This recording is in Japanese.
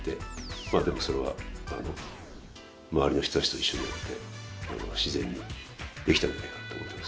まあでもそれは周りの人たちと一緒にやって自然にできたんじゃないかなと思ってます。